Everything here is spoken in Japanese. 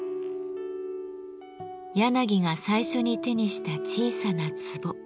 柳が最初に手にした小さな壺。